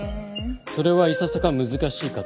それはいささか難しいかと。